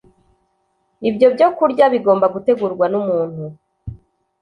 ibyo byokurya bigomba gutegurwa numuntu